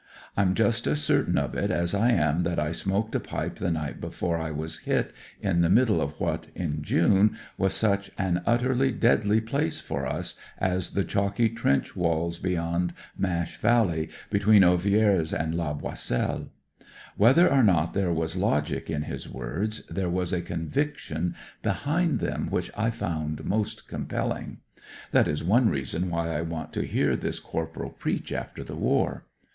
I'm just as certain of it as I am that I smoked a pipe the night before I was hit, in the middle of what, in June, was such an utterly deadly place for us as the chalky trench walls beyond Mash Valley, between Ovillers and La Boiselle." Whether or not there was logic in his words, there was a conviction behind them which I found most compelling. (That is one reason why I want to hear this corporal preach after the war.)